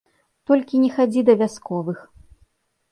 Толькі не хадзі да вясковых.